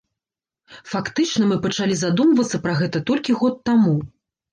Фактычна, мы пачалі задумвацца пра гэта толькі год таму!